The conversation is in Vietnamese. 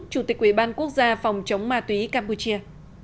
chủ tịch quỹ ban quốc gia phòng chống ma túy campuchia